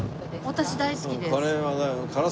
私大好きです。